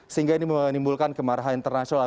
sehingga ini menimbulkan kemarahan internasional